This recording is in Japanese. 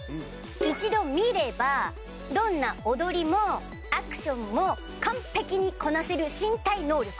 一度見ればどんな踊りもアクションも完璧にこなせる身体能力。